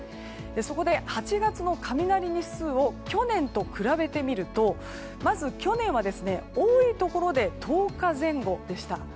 そこで、８月の雷日数を去年と比べてみるとまず、去年は多いところで１０日前後でした。